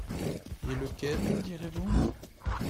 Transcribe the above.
Et lequel me direz-vous ?